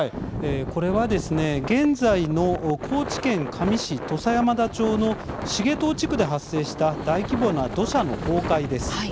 これはですね、現在の高知県香美市土佐山田町の繁藤地区で発生した大規模な土砂の崩壊です。